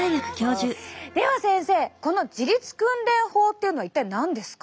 では先生この自律訓練法っていうのは一体何ですか？